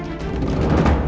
mas kalau pak